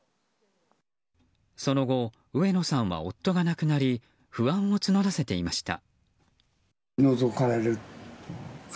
その後、上野さんは夫が亡くなり不安を募らせていました。